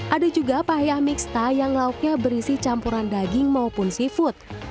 ada juga payah mixta yang lauknya berisi campuran daging maupun seafood